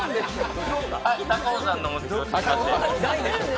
高尾山のものです。